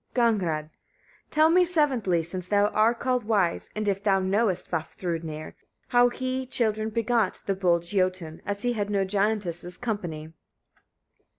Gagnrâd. 33. Tell me seventhly, since thou are called wise, and if thou knowest, Vafthrûdnir! how he children begat, the bold Jötun, as he had no giantess's company?